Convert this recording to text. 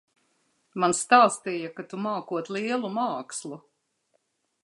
Man stāstīja, ka tu mākot lielu mākslu.